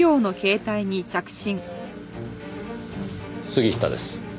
杉下です。